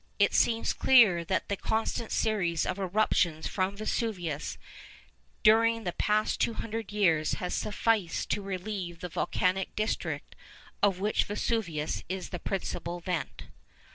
It seems clear that the constant series of eruptions from Vesuvius during the past two hundred years has sufficed to relieve the volcanic district of which Vesuvius is the principal vent.